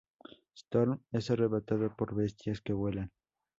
Storm es arrebatado por bestias que vuelan.